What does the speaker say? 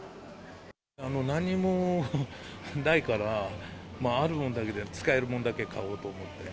何もないから、あるものだけで、使えるものだけ買おうと思って。